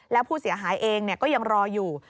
แล้วผู้เสียหายเองก็ยังรออยู่